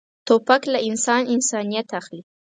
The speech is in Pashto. توپک له انسان انسانیت اخلي.